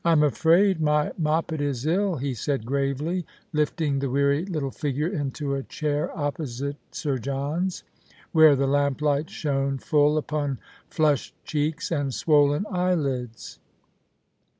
199 " I'm afraid my Moppet is ill," he said gravely, lifting the weary little figure into a chair opposite Sir John's, where the lamplight shone full upon flushed cheeks and swollen eyelids.